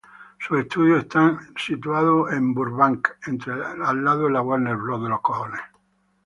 Sus estudios están ubicados en Burbank entre la Warner Bros.